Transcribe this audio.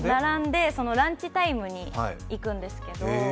ランチタイムに行くんですけど。